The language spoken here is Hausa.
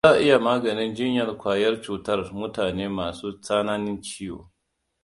Za a iya gwada maganin jiyyan kwayan cutar mutane masu tsananin ciwo.